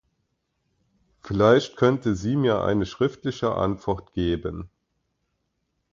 Vielleicht könnte sie mir eine schriftliche Antwort geben.